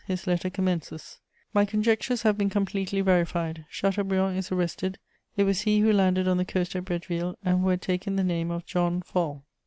His letter commences: "My conjectures have been completely verified: Chateaubriand is arrested; it was he who landed on the coast at Bretteville and who had taken the name of 'John Fall.'